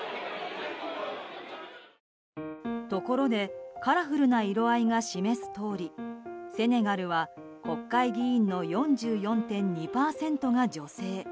ところでカラフルな色合いが示すとおりセネガルは国会議員の４４．２％が女性。